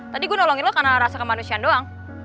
tadi gue nolongin lo karena rasa kemanusiaan doang